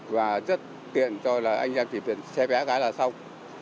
và rất tiện cho là anh em tìm tiền xe bé gái là xong